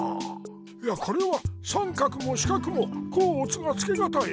いやこれはさんかくもしかくもこうおつがつけがたい。